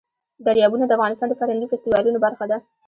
دریابونه د افغانستان د فرهنګي فستیوالونو برخه ده.